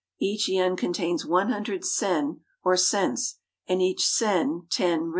Each yen contains one hundred sen or cents, and each sen ten rin.